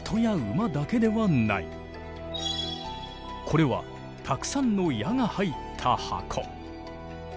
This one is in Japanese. これはたくさんの矢が入った箱。